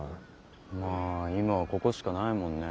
まあ今はここしかないもんね。